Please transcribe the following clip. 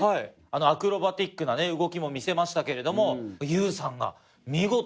アクロバティックな動きも見せましたけれどもユウさんが見事１位。